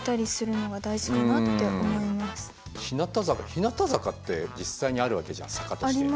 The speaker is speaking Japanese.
日向坂って実際にあるわけじゃん坂として。